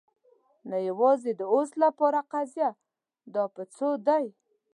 نه، یوازې د اوس لپاره قضیه. دا په څو دی؟